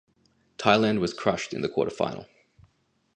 Thailand was crushed in the quarterfinal.